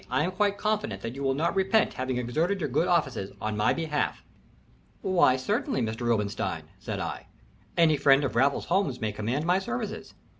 I am quite confident that you will not repent having exerted your good offices in my behalf." "Why, certainly, Mr. Robinstein," said I. "Any friend of Raffles Holmes may command my services.